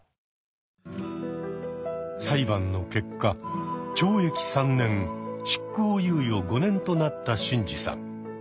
裁判の結果懲役３年執行猶予５年となったシンジさん。